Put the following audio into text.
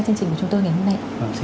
chương trình của chúng tôi ngày hôm nay